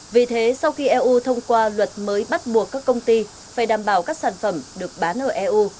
vì thế sau khi eu thông qua luật mới bắt buộc các công ty phải đảm bảo các sản phẩm được bán ở eu